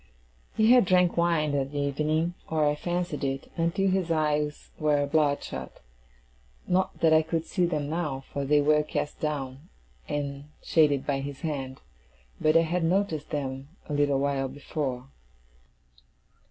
He had drank wine that evening (or I fancied it), until his eyes were bloodshot. Not that I could see them now, for they were cast down, and shaded by his hand; but I had noticed them a little while before.